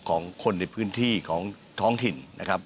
ของคนในพื้นที่ของท้องถิ่นนะครับ